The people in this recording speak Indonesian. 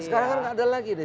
sekarang kan gak ada lagi